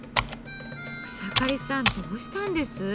草刈さんどうしたんです？